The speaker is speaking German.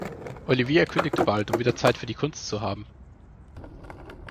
Olivier kündigte bald, um wieder Zeit für die Kunst zu haben.